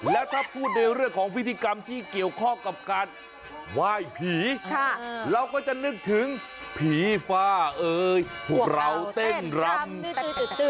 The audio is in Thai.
แล้วถ้าพูดในเรื่องของพิธีกรรมที่เกี่ยวข้องกับการไหว้ผีเราก็จะนึกถึงผีฟ้าเอ่ยพวกเราเต้นรำ